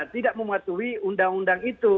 tidak mematuhi undang undang itu